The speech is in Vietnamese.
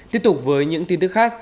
tiếp tục với những tin tức khác